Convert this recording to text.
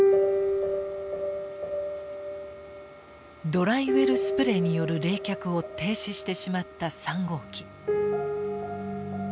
ドライウェルスプレイによる冷却を停止してしまった３号機。